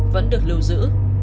vẫn được lưu giữ